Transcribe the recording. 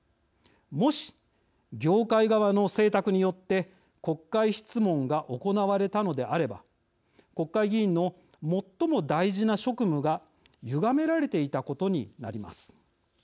もし業界側の請託によって国会質問が行われたのであれば国会議員の最も大事な職務がゆがめられていたことになります。